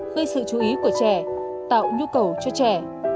gây sự chú ý của trẻ tạo nhu cầu cho trẻ